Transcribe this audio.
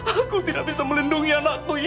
aku tidak bisa melindungi anakku ini